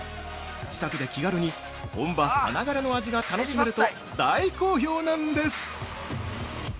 自宅で気軽に本場さながらの味が楽しめると大好評なんです！